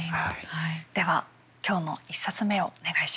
では今日の１冊目をお願いします。